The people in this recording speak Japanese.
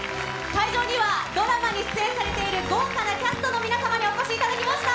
会場には、ドラマに出演されている豪華なキャストの皆様にお越しいただきました。